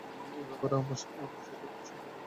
এ ব্যাপারে আমার শত্রুকে সিদ্ধান্ত নিতে হবে।